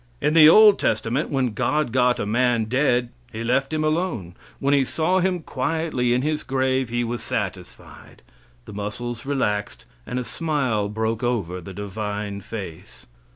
In the old testament, when God got a man dead, He let him alone. When He saw him quietly in his grave He was satisfied. The muscles relaxed, and a smile broke over the Divine face.